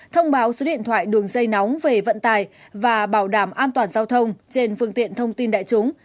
thông báo số điện thoại đường dây nóng về vận tài và bảo đảm an toàn giao thông trên phương tiện thông tin đại chúng